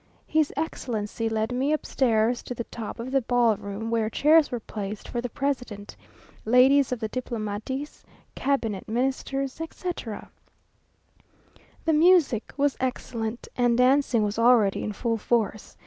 His excellency led me upstairs to the top of the ball room, where chairs were placed for the president, ladies of the diplomaties, cabinet Ministers, etc. The music was excellent, and dancing was already in full force.